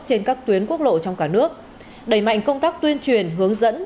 trên các tuyến quốc lộ trong cả nước đẩy mạnh công tác tuyên truyền hướng dẫn